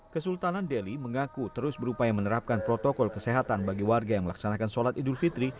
kesultanan delhi mengaku terus berupaya menerapkan protokol kesehatan bagi warga yang melaksanakan sholat idul fitri